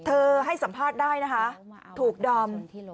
ให้สัมภาษณ์ได้นะคะถูกดอม